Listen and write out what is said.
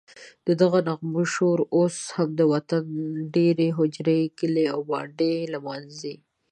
ددغو نغمو شور اوس هم د افغان وطن دېرې، هوجرې، کلي او بانډې نمانځي.